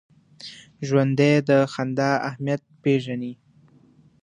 ژوندي د خندا اهمیت پېژني